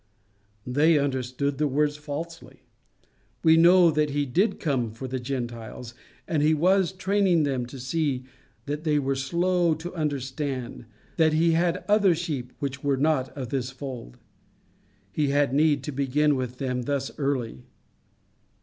They understood the words falsely. We know that he did come for the Gentiles, and he was training them to see what they were so slow to understand, that he had other sheep which were not of this fold. He had need to begin with them thus early.